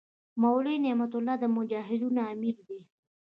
مولوي نعمت الله د مجاهدینو امیر دی.